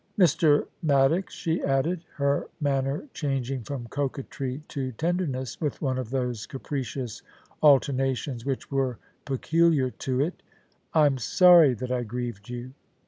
* Mr. Maddox,' she added, her manner changing from coquetry to tenderness with one of those capricious alternations which were peculiar to it, *I'm sorry that I grieved you.